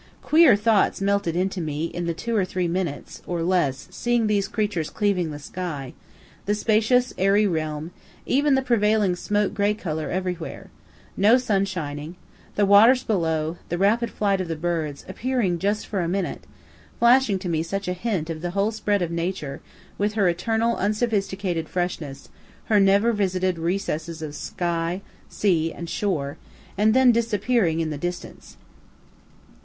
Queer thoughts melted into me the two or three minutes, or less, seeing these creatures cleaving the sky the spacious, airy realm even the prevailing smoke gray color everywhere, (no sun shining) the waters below the rapid flight of the birds, appearing just for a minute flashing to me such a hint of the whole spread of Nature, with her eternal unsophisticated freshness, her never visited recesses of sea, sky, shore and then disappearing in the distance.